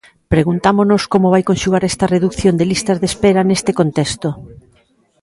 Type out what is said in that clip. Preguntámonos como vai conxugar esta redución de listas de espera neste contexto.